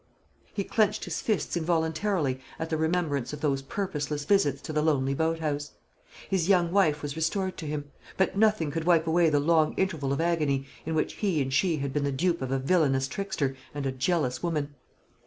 He clenched his fists involuntarily at the remembrance of those purposeless visits to the lonely boat house. His young wife was restored to him. But nothing could wipe away the long interval of agony in which he and she had been the dupe of a villanous trickster and a jealous woman.